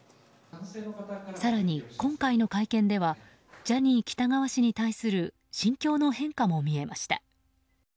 更に、今回の会見ではジャニー喜多川氏に対する心境の変化も見えました。